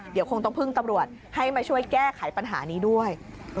เดี๋ยวคงต้องพึ่งตำรวจให้มาช่วยแก้ไขปัญหานี้ด้วย